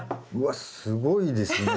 わっすごいですね。